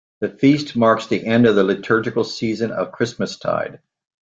The feast marks the end of the liturgical season of Christmastide.